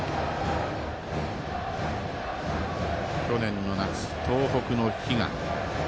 去年の夏、東北の悲願。